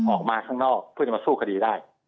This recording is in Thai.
ออกมาข้างนอกเพื่อจะมาสู้คดีได้